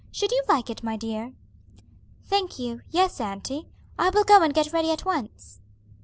Should you like it, my dear?" "Thank you, yes, auntie. I will go and get ready at once."